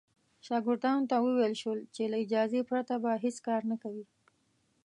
شاګردانو ته وویل شول چې له اجازې پرته به هېڅ کار نه کوي.